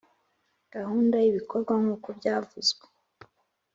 gahunda y ibikorwa nk uko byavuzwe